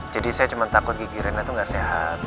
jadi saya cuma takut gigi reina itu gak sehat